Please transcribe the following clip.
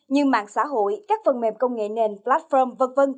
như mạng xã hội các phần mềm công nghệ nền platform v v